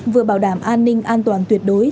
vừa bảo đảm an ninh an toàn tuyệt đối